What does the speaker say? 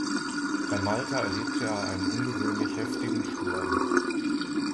Bei Malta erlebte er einen ungewöhnlich heftigen Sturm.